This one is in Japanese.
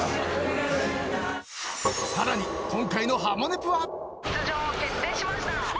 ［さらに今回の『ハモネプ』は］